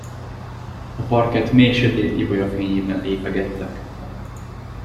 A parkett mélysötét ibolyafényében lépegettek.